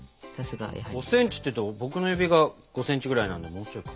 ５ｃｍっていうと僕の指が５ｃｍぐらいなんでもうちょいか。